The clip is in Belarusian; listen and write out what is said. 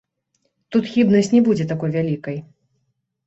Тут хібнасць не будзе такой вялікай.